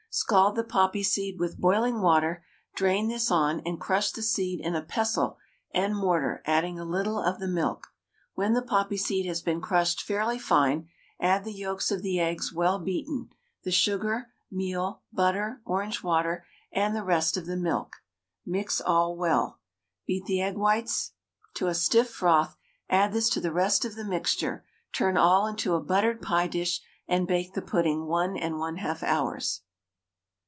Scald the poppy seed with boiling water, drain this on and crush the seed in a pestle and mortar, adding a little of the milk. When the poppy seed has been crushed fairly fine, add the yolks of the eggs, well beaten, the sugar, meal, butter, orange water, and the rest of the milk; mix all well, beat the whites of the eggs to a stiff froth, add this to the rest of the mixture, turn all into a buttered pie dish, and bake the pudding 1 1/2 hours.